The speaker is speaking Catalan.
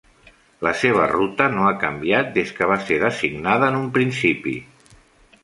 La seva ruta no ha canviat des que va ser designada en un principi.